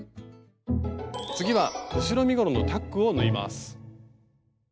次は後ろ身ごろのタックを縫います。